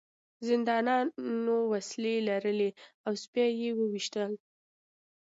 زندانیانو وسلې لرلې او سپي یې وویشتل